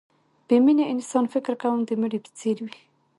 بې مینې انسان فکر کوم د مړي په څېر وي